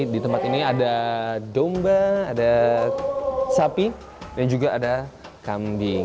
di tempat ini ada domba ada sapi dan juga ada kambing